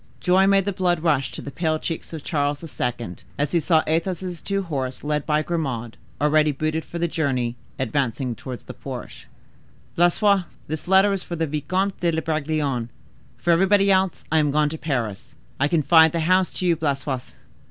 Joy made the blood rush to the pale cheeks of Charles II., as he saw Athos's two horses, led by Grimaud, already booted for the journey, advance towards the porch. "Blaisois, this letter for the Vicomte de Bragelonne. For everybody else I am gone to Paris. I confide the house to you, Blaisois."